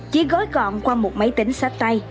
chỉ gói gọn qua một máy tính sát tay